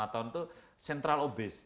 empat puluh lima tahun itu central obese